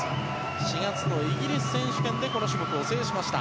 ４月のイギリス選手権でこの種目を制しました。